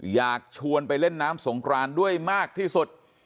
อยากชวนไปเล่นน้ำสงครานด้วยมากที่สุด